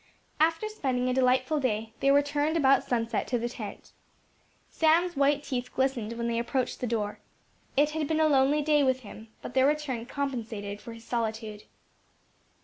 After spending a delightful day, they returned about sunset to the tent. Sam's white teeth glistened when they approached the door. It had been a lonely day with him, but their return compensated for his solitude.